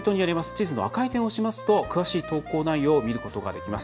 地図の赤い点を押しますと詳しい投稿内容を見ることができます。